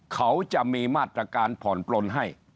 เขาจะมีมาตรการผ่อนปลนให้